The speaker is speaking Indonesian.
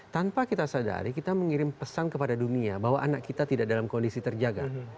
tanpa kita sadari kita mengirim pesan kepada dunia bahwa anak kita tidak dalam kondisi terjaga